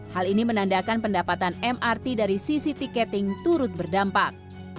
hal ini menandakan pendapatan mrt dari sisi tiketing turut berdampak